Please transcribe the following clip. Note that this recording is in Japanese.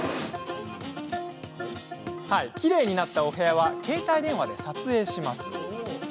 きれいになった部屋は携帯電話で撮影。